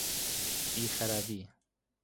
بی خردی